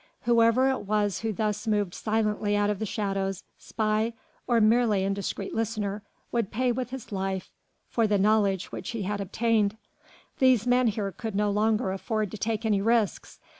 Whoever it was who thus moved silently out of the shadows spy or merely indiscreet listener would pay with his life for the knowledge which he had obtained. These men here could no longer afford to take any risks.